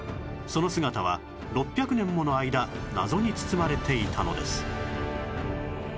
その姿は６００年もの間謎に包まれていたのです